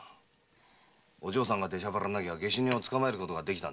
お嬢さんが出しゃばらなきゃ下手人は捕まえることができた。